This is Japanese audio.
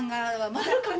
あるかな？